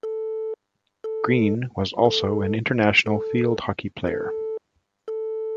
Greene was also an international field hockey player.